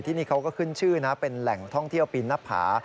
ที่นี่เขาก็ขึ้นชื่อนะเป็นแหล่งท่องเที่ยวปีนหน้าผา